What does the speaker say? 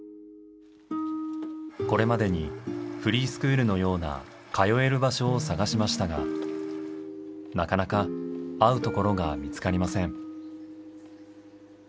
これまでにフリースクールのような通える場所を探しましたがなかなか合う所が見つかりません。